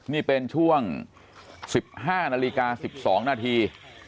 นี่เป็นช่วง๑๕นาฬิกา๑๒นาที